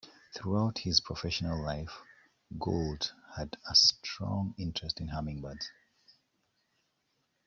Throughout his professional life Gould had a strong interest in hummingbirds.